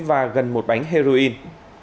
và gần một bánh heroin